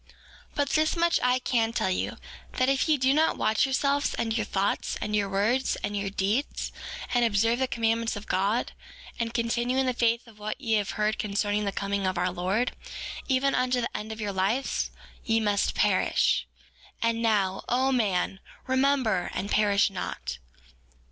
4:30 But this much I can tell you, that if ye do not watch yourselves, and your thoughts, and your words, and your deeds, and observe the commandments of God, and continue in the faith of what ye have heard concerning the coming of our Lord, even unto the end of your lives, ye must perish. And now, O man, remember, and perish not.